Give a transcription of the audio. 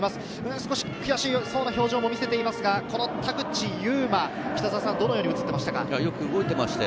少し悔しそうな表情も見せていますが、田口裕真、よく動いていましたよ。